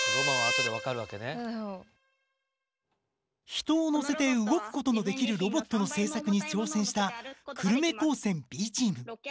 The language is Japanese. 人を乗せて動くことのできるロボットの製作に挑戦した久留米高専Ｂチーム。